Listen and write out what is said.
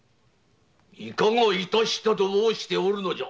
いかがいたしたと申しておるのじゃ。